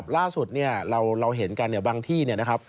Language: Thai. ล่าสุดเราเห็นกันบางที่